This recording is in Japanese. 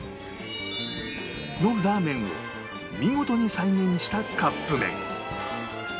のラーメンを見事に再現したカップ麺